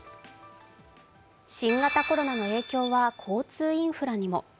新型コロナの影響は交通インフラにも。